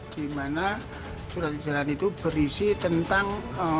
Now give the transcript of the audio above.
di mana surat edaran itu berisi tentang